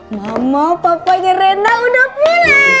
mama papa ini rena udah pulang